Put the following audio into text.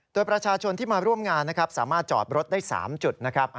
โดยประชาชนที่มาร่วมงานนะครับสามารถจอดรถได้๓จุดนะครับ